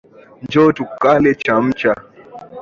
Njoo tukale chamcha.